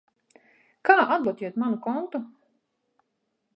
Kā atbloķēt manu kontu?